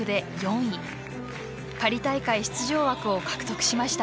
パリ大会出場枠を獲得しました。